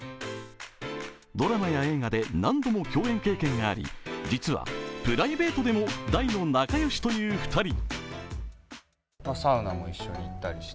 ドラマや映画で何度も共演経験があり実はプライベートでも大の仲良しという２人。